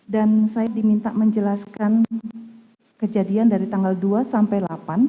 dan saya diminta menjelaskan kejadian dari tanggal dua sampai delapan